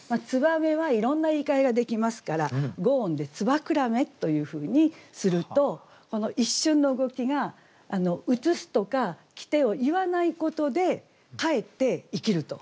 燕はいろんな言いかえができますから５音で「つばくらめ」というふうにするとこの一瞬の動きが「映す」とか「きて」を言わないことでかえって生きると。